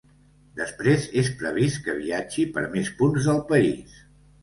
Després és previst que viatgi per més punts del país.